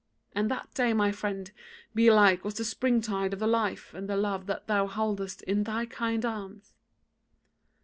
And that day, my friend, belike was the spring tide of the life and the love that thou holdest in thy kind arms.